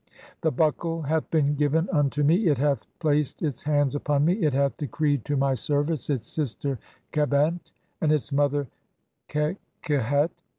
The Buckle hath been given "unto me, it [hath placed] its hands upon me, it hath decreed "[to my service] its sister Khebent, and its mother Kehkehet.